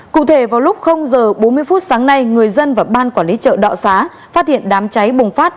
cụ thể vào lúc h bốn mươi phút sáng nay người dân và ban quản lý chợ đọ xá phát hiện đám cháy bùng phát